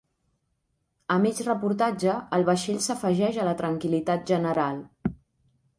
A mig reportatge, el vaixell s'afegeix a la tranquil·litat general.